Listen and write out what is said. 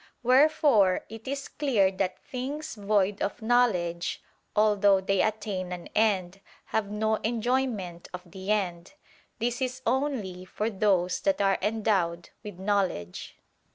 Wherefore it is clear that things void of knowledge, although they attain an end, have no enjoyment of the end: this is only for those that are endowed with knowledge.